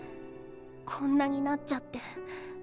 こんなになっちゃって。